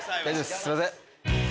すいません。